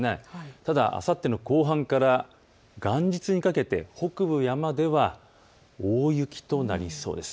ただ、あさっての後半から元日にかけて北部の山では大雪となりそうです。